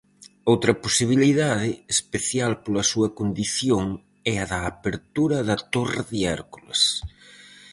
Outra posibilidade, especial pola súa condición, é a da apertura da Torre de Hércules.